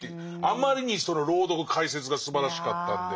あまりにその朗読解説がすばらしかったんで。